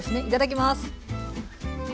いただきます。